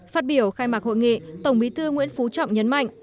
phát biểu khai mạc hội nghị tổng bí thư nguyễn phú trọng nhấn mạnh